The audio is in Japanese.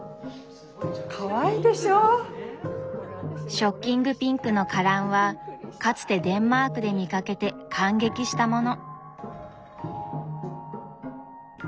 ショッキングピンクのカランはかつてデンマークで見かけて感激したもの。